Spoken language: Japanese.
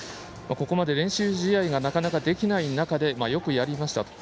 ここまで練習試合がなかなかできない中でよくやりました。